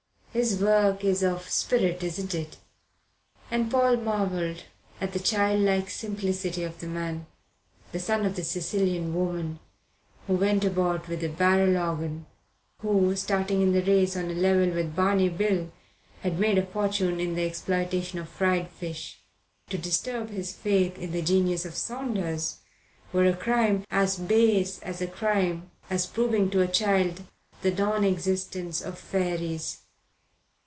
His work is of the spirit, isn't it?" And Paul marvelled at the childlike simplicity of the man, the son of the Sicilian woman who went about with a barrel organ, who, starting in the race on a level with Barney Bill, had made a fortune in the exploitation of fried fish. To disturb his faith in the genius of Saunders were a crime as base a crime as proving to a child the non existence of fairies.